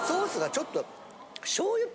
ちょっと。